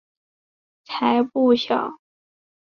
才不小！